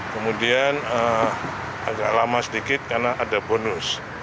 kemudian agak lama sedikit karena ada bonus